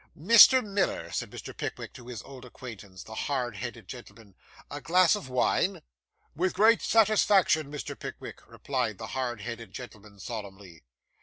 'Mr. Miller,' said Mr. Pickwick to his old acquaintance, the hard headed gentleman, 'a glass of wine?' 'With great satisfaction, Mr. Pickwick,' replied the hard headed gentleman solemnly.